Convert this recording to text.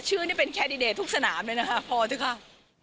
ชื่อนี่เป็นแคนดิเดตทุกสนามเลยนะคะพอเถอะค่ะ